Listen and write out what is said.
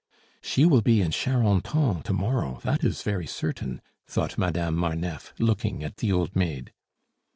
"She will be in Charenton to morrow, that is very certain," thought Madame Marneffe, looking at the old maid.